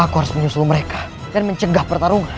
aku harus menyusul mereka dan mencegah pertarungan